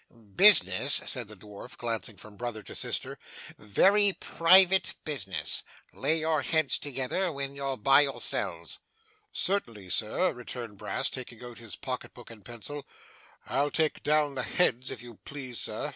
'Business,' said the dwarf, glancing from brother to sister. 'Very private business. Lay your heads together when you're by yourselves.' 'Certainly, sir,' returned Brass, taking out his pocket book and pencil. 'I'll take down the heads if you please, sir.